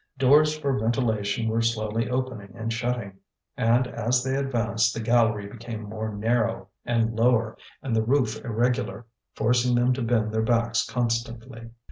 Doors for ventilation were slowly opening and shutting. And as they advanced the gallery became more narrow and lower, and the roof irregular, forcing them to bend their backs constantly.